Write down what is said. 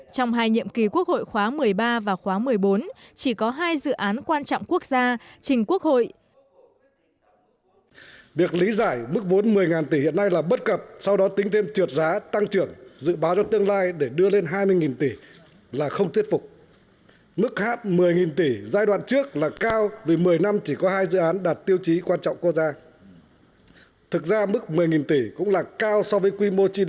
trong hai nhiệm kỳ quốc hội khóa một mươi ba và khóa một mươi bốn chỉ có hai dự án quan trọng quốc gia trình quốc hội